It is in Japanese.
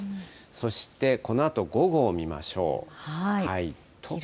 そしてこのあと午後を見ましょう。